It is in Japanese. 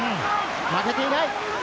負けていない。